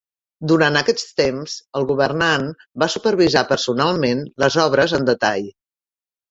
Durant aquest temps, el governant va supervisar personalment les obres en detall.